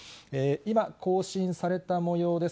今、更新されたもようです。